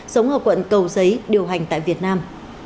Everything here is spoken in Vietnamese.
sống ở quận cầu giấy điều hành tại việt nam